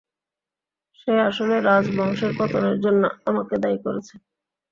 সে আসলে রাজবংশের পতনের জন্যে আমাকে দায়ী করেছে।